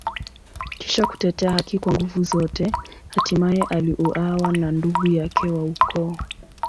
Kisha kutetea haki kwa nguvu zote, hatimaye aliuawa na ndugu yake wa ukoo.